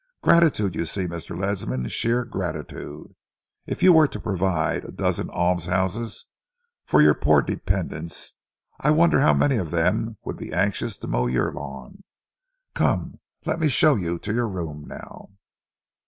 Gratitude, you see, Mr. Ledsam, sheer gratitude. If you were to provide a dozen alms houses for your poor dependants, I wonder how many of them would be anxious to mow your lawn.... Come, let me show you your room now."